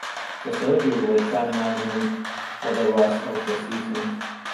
The surgery would sideline him for the rest of the season.